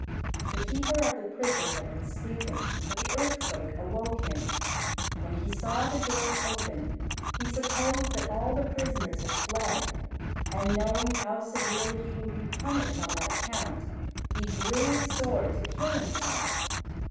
The keeper of the prison had been sleeping, but the earthquake awoke him. When he saw the doors open, he supposed that all the prisoners had fled; and knowing how severely he would be punished on that account, he drew his sword to kill himself.